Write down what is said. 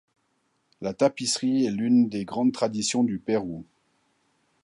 La tapisserie est l’une des grandes traditions du Pérou.